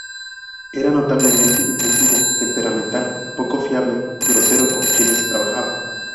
Era notablemente impulsivo, temperamental, poco fiable y grosero con quienes trabajaba.